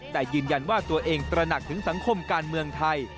แต่ยืนยันว่าตัวเองตระหนักถึงสังคมการเมืองไทย